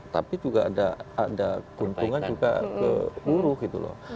nah ini juga ada keuntungan juga ke guru gitu loh